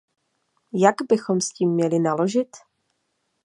Jak bychom s tím měli naložit?